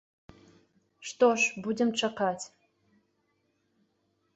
Што ж, будзем чакаць.